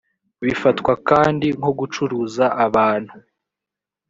bifatwa kandi nko gucuruza abantu